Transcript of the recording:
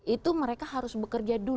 itu mereka harus bekerja dulu